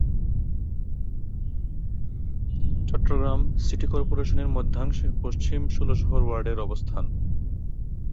Chittagong city কর্পোরেশনের মধ্যাংশে পশ্চিম ষোলশহর ওয়ার্ডের অবস্থান।